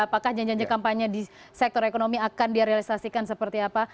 apakah janjian janjian kampanye di sektor ekonomi akan di realisasikan seperti apa